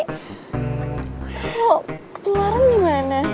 tau ketularan gimana